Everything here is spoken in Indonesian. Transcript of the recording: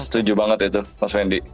setuju banget itu mas wendy